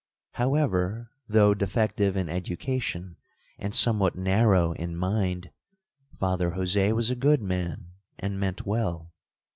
However, though defective in education, and somewhat narrow in mind, Father Jose was a good man, and meant well.